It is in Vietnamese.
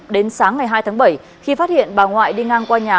đến sáng ngày hai tháng bảy khi phát hiện bà ngoại đi ngang qua nhà